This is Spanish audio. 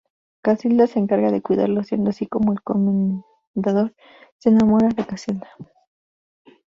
Casilda se encarga de cuidarlo siendo así como el Comendador se enamora de Casilda.